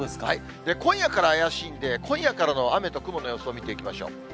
今夜から怪しいんで、今夜からの雨と雲の様子を見ていきましょう。